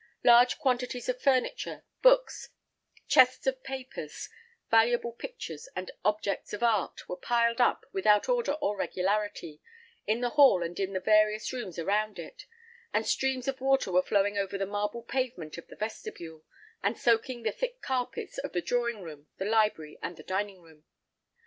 Large quantities of furniture, books, chests of papers, valuable pictures, and objects of art, were piled up, without order or regularity, in the hall and the various rooms around it, and streams of water were flowing over the marble pavement of the vestibule, and soaking the thick carpets of the drawing room, the library, and the dining room.